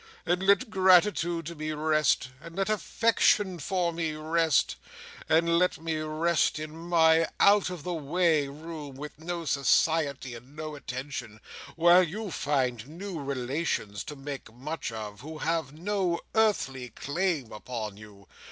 And let gratitude to me rest; and let affection for me rest; and let me rest in my out of the way room, with no society and no attention, while you find new relations to make much of, who have no earthly claim upon you!